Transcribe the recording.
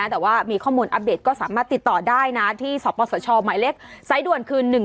แต่ว่ามีข้อมูลอัปเดตก็สามารถติดต่อได้นะที่สอปศชใสต์ด่วนคือ๑๓๓๐